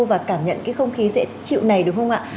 và cảm nhận cái không khí dễ chịu này đúng không ạ